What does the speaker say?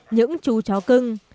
những chú chó cưng